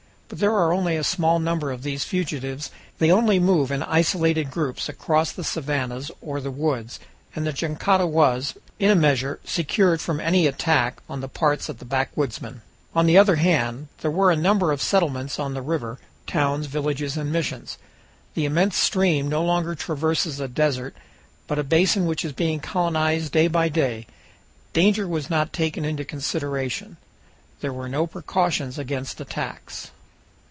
But there are only a small number of these fugitives, they only move in isolated groups across the savannahs or the woods, and the jangada was, in a measure, secured from any attack on the parts of the backwoodsmen. On the other hand, there were a number of settlements on the river towns, villages, and missions. The immense stream no longer traverses a desert, but a basin which is being colonized day by day. Danger was not taken into consideration. There were no precautions against attacks.